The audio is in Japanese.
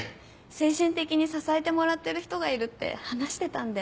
精神的に支えてもらってる人がいるって話してたんで。